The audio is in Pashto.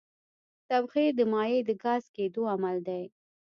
تبخیر د مایع د ګاز کېدو عمل دی.